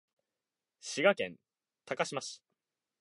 滋賀県高島市